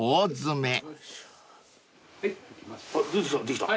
できた？